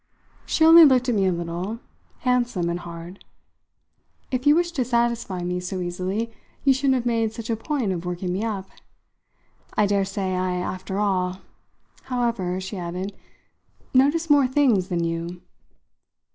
She only looked at me a little, handsome and hard. "If you wished to satisfy me so easily you shouldn't have made such a point of working me up. I daresay I, after all, however," she added, "notice more things than you."